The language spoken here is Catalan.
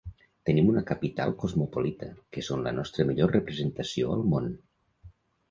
Tenim una capital cosmopolita, que són la nostra millor representació al món.